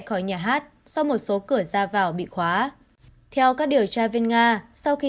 khỏi nhà hát sau một số cửa ra vào bị khóa theo các điều tra viên nga sau khi